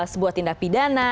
sebuah tindak pidana